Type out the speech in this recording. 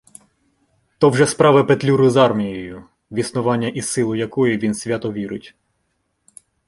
То вже справа Петлюри з армією, в існування і силу якої він свято вірить.